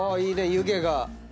いいね湯気が。